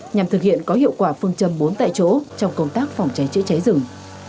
nhằm thực hiện có hiệu quả phương châm bốn tại chỗ trong công tác phòng cháy chữa cháy rừng